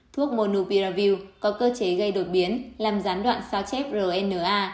thuốc monopiravil có cơ chế gây đột biến làm gián đoạn sao chép rna